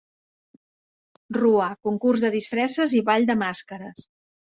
Rua, concurs de disfresses i ball de màscares.